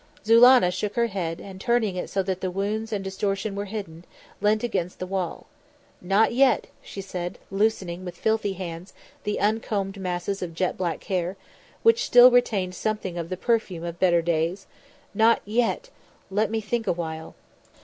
Zulannah shook her head and turning it so that the wounds and distortion were hidden, leant against the wall. "Not yet!" she said, loosening with filthy hand the uncombed masses of jet black hair, which still retained something of the perfume of better days. "Not yet! Let me think awhile."